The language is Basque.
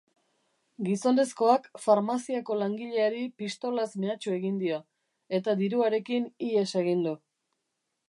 Gizonezkoak farmaziako langileari pistolaz mehatxu egin dio eta diruarekin ihes egin du.